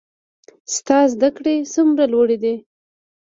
د تا زده کړي څومره لوړي دي